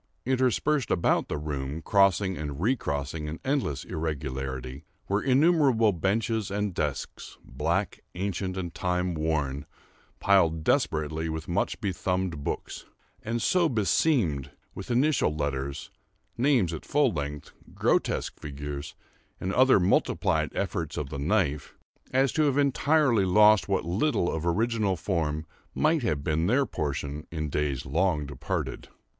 Interspersed about the room, crossing and recrossing in endless irregularity, were innumerable benches and desks, black, ancient, and time worn, piled desperately with much bethumbed books, and so beseamed with initial letters, names at full length, grotesque figures, and other multiplied efforts of the knife, as to have entirely lost what little of original form might have been their portion in days long departed.